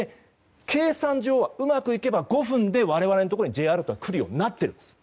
計算上は、うまくいけば５分で我々のところにＪアラートは来るようになってるんです。